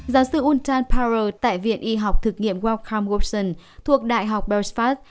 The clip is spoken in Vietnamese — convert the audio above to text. giáo sư untan powell tại viện y học thực nghiệm wellcome wilson thuộc đại học berksford